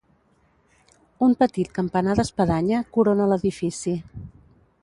Un petit campanar d'espadanya corona l'edifici.